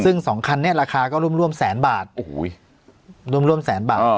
ซึ่งสองคันเนี้ยราคาก็ร่วมร่วมแสนบาทโอ้โหยร่วมร่วมแสนบาทอ่อ